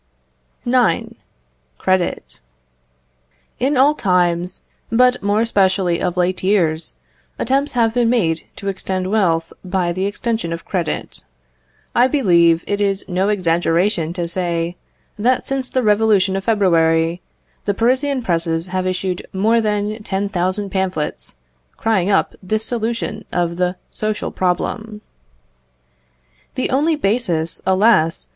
IX. Credit. In all times, but more especially of late years, attempts have been made to extend wealth by the extension of credit. I believe it is no exaggeration to say, that since the revolution of February, the Parisian presses have issued more than 10,000 pamphlets, crying up this solution of the social problem. The only basis, alas!